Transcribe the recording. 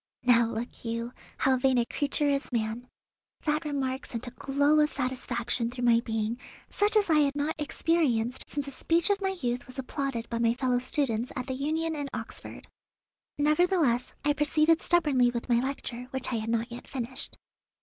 Now, look you, how vain a creature is man. That remark sent a glow of satisfaction through my being such as I had not experienced since a speech of my youth was applauded by my fellow students at the Union in Oxford. Nevertheless, I proceeded stubbornly with my lecture, which I had not yet finished.